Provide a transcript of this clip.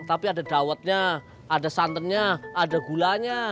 tapi ada dawetnya ada santannya ada gulanya